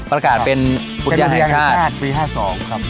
ประกาศเป็นอุทยานแห่งชาติปี๕๒ครับ